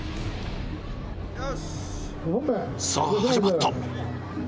さぁ始まった！